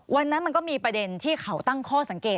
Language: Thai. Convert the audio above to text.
มันก็มีประเด็นที่เขาตั้งข้อสังเกต